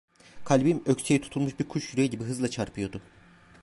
Kalbim, ökseye tutulmuş bir kuş yüreği gibi hızla çarpıyordu.